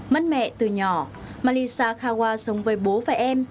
mất mẹ từ nhỏ malisa khawa sống với bố và em